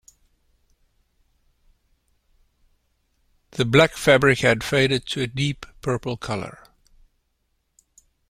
The black fabric had faded to a deep purple colour.